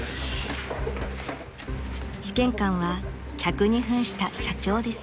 ［試験官は客に扮した社長です］